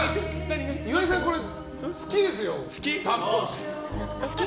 岩井さん、これ好きですよ多分。